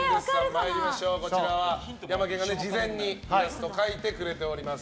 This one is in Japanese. ヤマケンが事前にイラストを描いてくれております。